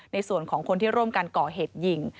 ในส่วนของคนที่ร่วมกันก่อเหตุยิง